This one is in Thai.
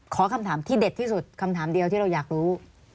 คำถามที่เด็ดที่สุดคำถามเดียวที่เราอยากรู้